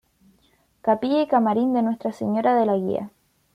Capilla y Camarín de Nuestra Señora de la Guía.